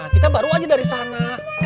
kita baru aja dari sana